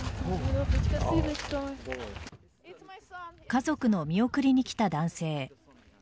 家族の見送りに来た男性。